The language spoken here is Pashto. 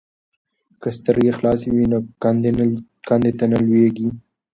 که سترګې خلاصې وي نو کندې ته نه لویږي.